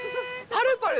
パルパル。